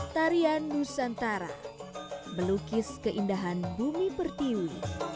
tarian nusantara melukis keindahan bumi pertiwi